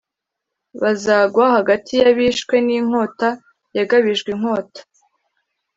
Bazagwa hagati y abishwe n inkota Yagabijwe inkota